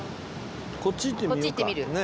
こっち行ってみようか。